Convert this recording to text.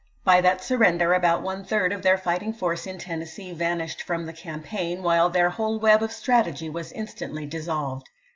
By that surrender about one third of their fighting force in Tennessee vanished from the campaign, while their whole web of strategy was instantly dissolved.